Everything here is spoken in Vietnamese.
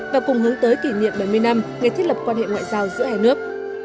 và cùng hướng tới kỷ niệm bảy mươi năm ngày thiết lập quan hệ ngoại giao giữa hai nước